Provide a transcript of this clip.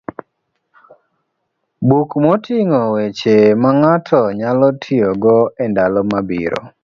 buk moting'o weche ma ng'ato nyalo tiyogo e ndalo mabiro.